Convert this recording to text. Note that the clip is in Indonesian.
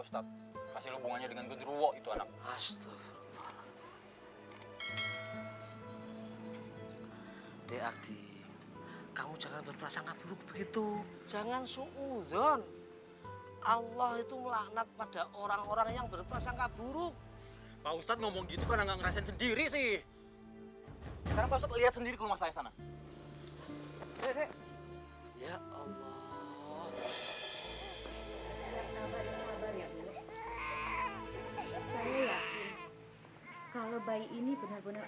saya yakin kalau bayi ini benar benar angkuh angkuh dan gak sulit